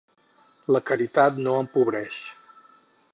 La caritat no empobreix.